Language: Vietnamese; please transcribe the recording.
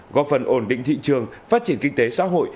góp phần ổn định thị trường phát triển kinh tế xã hội